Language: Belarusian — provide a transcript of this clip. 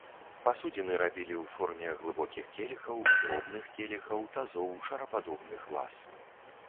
Пасудзіны рабілі ў форме глыбокіх келіхаў, дробных келіхаў, тазоў, шарападобных ваз.